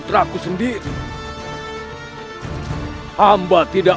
jagad dewa batara